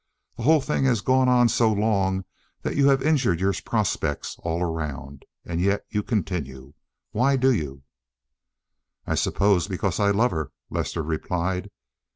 The whole thing has gone on so long that you have injured your prospects all around, and yet you continue. Why do you?" "I suppose because I love her," Lester replied.